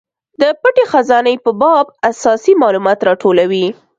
د پټې خزانې په باب اساسي مالومات راټولوي.